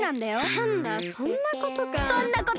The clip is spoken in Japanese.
なんだそんなことか。